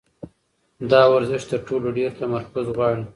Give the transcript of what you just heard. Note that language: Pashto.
دا ورزش تر ټولو ډېر تمرکز غواړي.